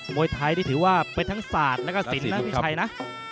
มวยไทยนี่ถือว่าเป็นทั้งศาสตร์แล้วก็สินนะพี่ชัยนะ